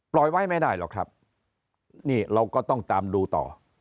ไว้ไม่ได้หรอกครับนี่เราก็ต้องตามดูต่อ